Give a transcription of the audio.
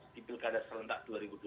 di pilkada serentak dua ribu dua puluh